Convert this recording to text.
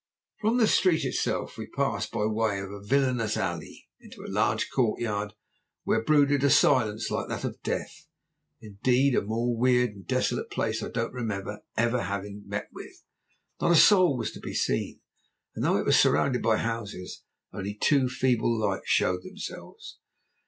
"From the street itself we passed, by way of a villainous alley, into a large courtyard, where brooded a silence like that of death. Indeed, a more weird and desolate place I don't remember ever to have met with. Not a soul was to be seen, and though it was surrounded by houses, only two feeble lights showed themselves.